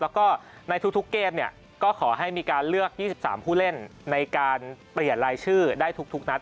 แล้วก็ในทุกเกมเนี่ยก็ขอให้มีการเลือก๒๓ผู้เล่นในการเปลี่ยนรายชื่อได้ทุกนัด